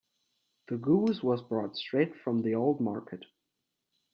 The goose was brought straight from the old market.